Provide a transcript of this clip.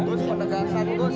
bos pendekatan bos